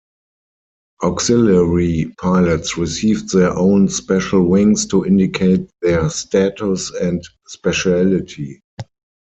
Auxiliary pilots received their own special wings to indicate their status and specialty.